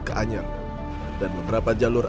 ke anyar dan beberapa jalur